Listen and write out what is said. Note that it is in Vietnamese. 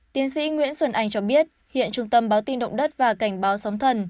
tiến sĩ nguyễn xuân anh cho biết hiện trung tâm báo tin động đất và cảnh báo sóng thần